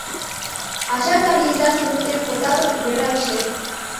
Ачат але изат туныктен колта гын, йӧра эше.